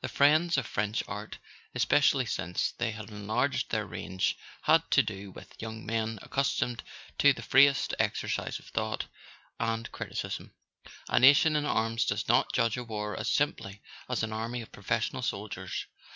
"The Friends of French Art," especially since they had enlarged their range, had to do with young men ac¬ customed to the freest exercise of thought and criti¬ cism. A nation in arms does not judge a war as simply as an army of professional soldiers.